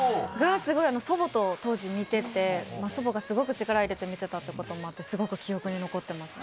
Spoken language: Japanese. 祖母と当時見ていて、祖母がすごく力を入れて見ていたっていうこともあって記憶に残っています。